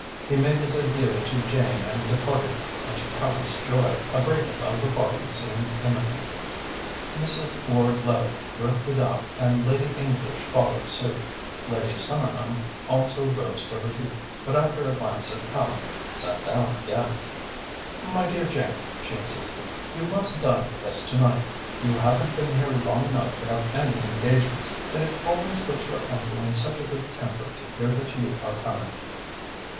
He made his adieux to Jane and departed, and to Tallente's joy a break up of the party seemed imminent. Mrs. Ward Levitte drifted out and Lady English followed suit. Lady Somerham also rose to her feet, but after a glance at Tallente sat down again. "My dear Jane," she insisted, "you must dine with us to night. You haven't been here long enough to have any engagements, and it always puts your uncle in such a good temper to hear that you are coming."